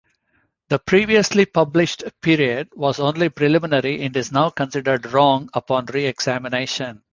This previously published period was only preliminary and is now considered wrong upon re-examination.